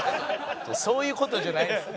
そういう事じゃないんですよ。